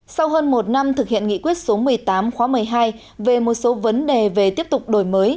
sau hơn một năm thực hiện nghị quyết số một mươi tám khóa một mươi hai về một số vấn đề về tiếp tục đổi mới